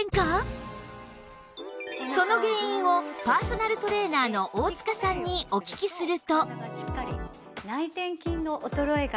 その原因をパーソナルトレーナーの大塚さんにお聞きすると